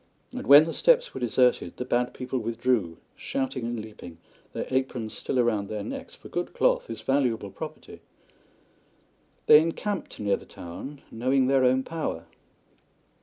And when the steps were deserted the Bad People withdrew, shouting and leaping, their aprons still round their necks, for good cloth is valuable property. They encamped near the town, knowing their own power.